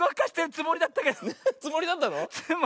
つもりだったの。